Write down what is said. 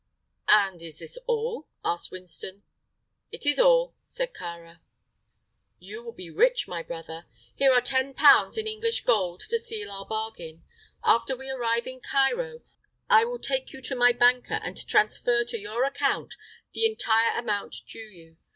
"And is this all?" asked Winston. "It is all," said Kāra. "You will be rich, my brother. Here are ten pounds in English gold to seal our bargain. After we arrive in Cairo I will take you to my banker and transfer to your account the entire amount due you.